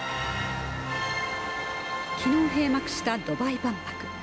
昨日閉幕したドバイ万博。